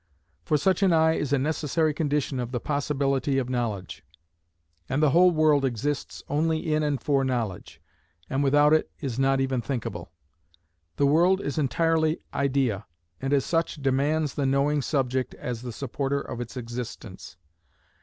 For such an eye is a necessary condition of the possibility of knowledge, and the whole world exists only in and for knowledge, and without it is not even thinkable. The world is entirely idea, and as such demands the knowing subject as the supporter of its existence.